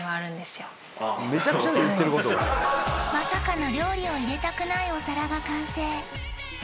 まさかの料理を入れたくないお皿が完成